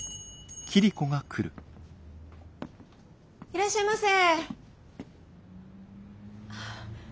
いらっしゃいませ。